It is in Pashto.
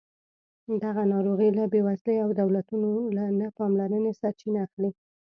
دغه ناروغۍ له بېوزلۍ او دولتونو له نه پاملرنې سرچینه اخلي.